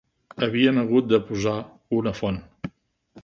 Havien hagut de posar una font